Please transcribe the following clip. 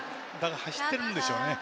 走っているんでしょうね。